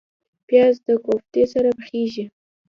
پیاز د کوفتې سره پخیږي